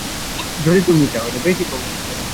যদি তুমি চাও।